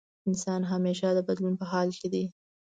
انسان همېشه د بدلون په حال کې دی.